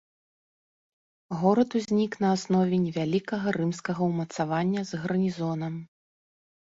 Горад узнік на аснове невялікага рымскага ўмацавання з гарнізонам.